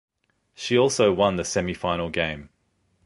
She also won the semi-final game.